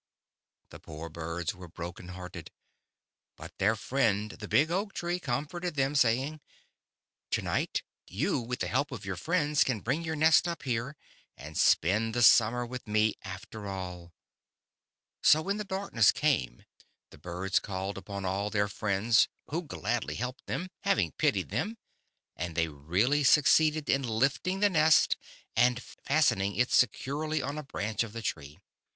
The poor birds were broken hearted. But their friend, the big Oak tree, comforted them, saying : "To night you, with the help of your friends, can bring your nest up here and spend the summer with me, after all." So when the darkness came, the birds called The Statue and the Birds. iSi upon all their friends, who gladly helped them, having pitied them, and they really succeeded in lifting the nest and fastening it securely on a branch of the Tree.